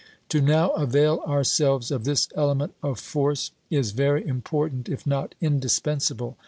To now avail ourselves of this element of force is very important, if not indispensable.